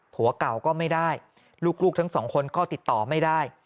ผัวเก่าก็ไม่ได้ลูกทั้งสองคนก็ติดต่อไม่ได้